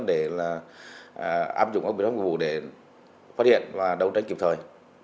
để áp dụng các biểu hiện mục vụ để phát hiện và đấu tranh kịp thời